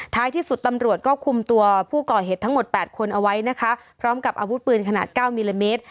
ที่สุดตำรวจก็คุมตัวผู้ก่อเหตุทั้งหมด๘คนเอาไว้นะคะพร้อมกับอาวุธปืนขนาด๙มิลลิเมตร